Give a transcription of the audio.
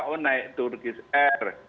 oh naik turkish air